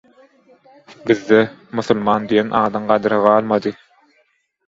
Bizde «musulman» diýen adyň gadyry galmady.